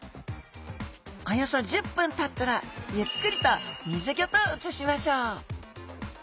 およそ１０分たったらゆっくりと水ギョと移しましょう